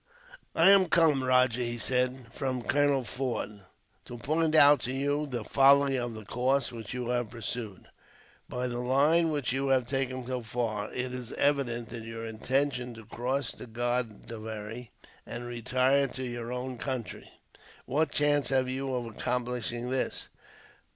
"I am come, Rajah," he said, "from Colonel Forde, to point out to you the folly of the course which you have pursued. By the line which you have taken so far, it is evidently your intention to cross the Godavery, and retire to your own country. What chance have you of accomplishing this?